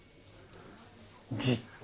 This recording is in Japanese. じっと。